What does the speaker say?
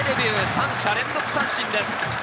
３者連続三振です。